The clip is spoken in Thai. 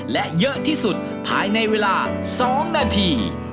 และเยอะที่สุดภายในเวลา๒นาที